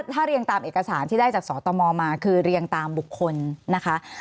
ถ้าเรียงตามเอกสารที่ได้จากสตมมาคือเรียงตามบุคคลนะคะ